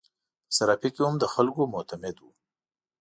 په صرافي کې هم د خلکو معتمد وو.